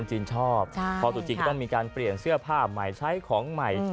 จริงชอบพอตัวจริงก็ต้องมีการเปลี่ยนเสื้อผ้าใหม่ใช้ของใหม่